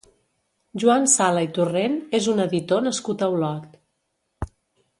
Joan Sala i Torrent és un editor nascut a Olot.